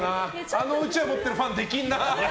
あのうちわ持ってるファン出禁な。